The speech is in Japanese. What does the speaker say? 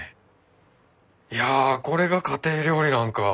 いやこれが家庭料理なんか。